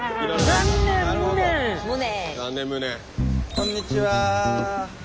こんにちは。